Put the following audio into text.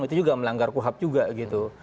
itu juga melanggar kuhap juga gitu